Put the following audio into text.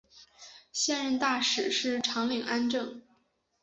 现任大使是长岭安政。